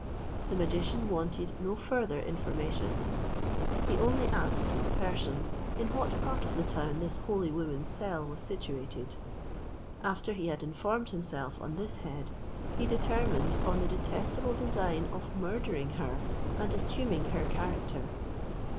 The magician wanted no further information. He only asked the person in what part of the town this holy woman's cell was situated. After he had informed himself on this head, he determined on the detestable design of murdering her and assuming her character.